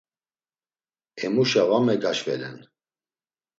Emuşa va megaşvelen.